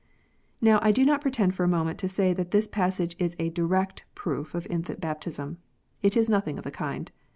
Now I do not pretend for a moment to say that this passage is a direct proof of infant baptism. It is nothing of the kind.